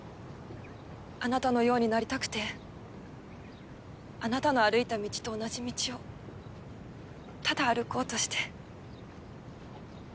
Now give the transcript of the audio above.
あなたのようになりたくてあなたの歩いた道と同じ道をただ歩こうとして。